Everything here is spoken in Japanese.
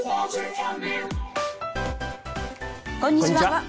こんにちは。